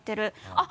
あっ